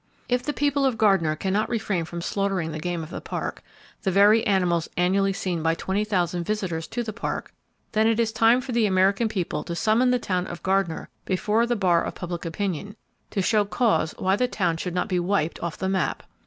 If the people of Gardiner can not refrain from slaughtering the game of the Park—the very animals annually seen by 20,000 visitors to the Park,—then it is time for the American people to summon the town of Gardiner before the bar of public opinion, to show cause why the town should not be wiped off the map.